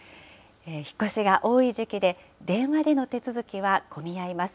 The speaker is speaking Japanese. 引っ越しが多い時期で、電話での手続きは混み合います。